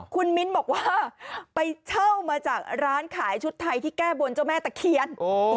คุณมิ้นบอกว่าไปเช่ามาจากร้านขายชุดไทยที่แก้บนเจ้าแม่ตะเคียน